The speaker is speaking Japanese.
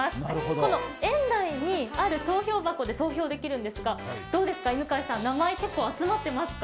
この園内にある投票箱で投票できるんですがどうですか、名前、結構集まってますか？